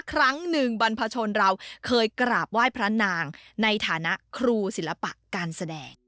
ครั้งหนึ่งบรรพชนเราเคยกราบไหว้พระนางในฐานะครูศิลปะการแสดง